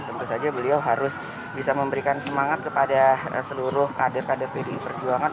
tentu saja beliau harus bisa memberikan semangat kepada seluruh kader kader pdi perjuangan